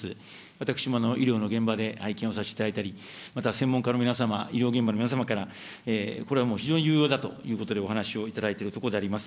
私も医療の現場で拝見をさせていただいたり、また専門家の皆様、医療現場の皆様から、これはもう非常に有用だとお話をいただいているところであります。